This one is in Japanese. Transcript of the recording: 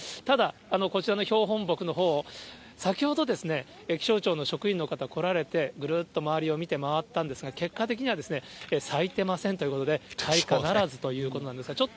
ただ、こちらの標本木のほう、先ほど、気象庁の職員の方来られて、ぐるっと周りを見て回ったんですが、結果的には、咲いてませんということで、開花ならずということなんですが。